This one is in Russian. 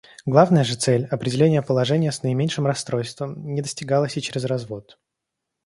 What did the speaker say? Главная же цель — определение положения с наименьшим расстройством — не достигалась и чрез развод.